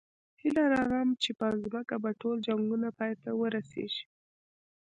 هیله لرم چې په ځمکه به ټول جنګونه پای ته ورسېږي